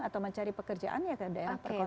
atau mencari pekerjaan ya ke daerah perkotaan